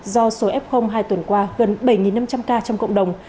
do số f hai tuần qua gần bảy năm trăm linh ca trong cộng đồng